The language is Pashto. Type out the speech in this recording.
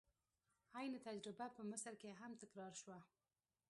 عین تجربه په مصر کې هم تکرار شوه.